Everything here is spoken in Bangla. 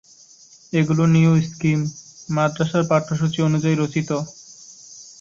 এগুলি নিউ স্কিম মাদ্রাসার পাঠ্যসূচি অনুযায়ী রচিত।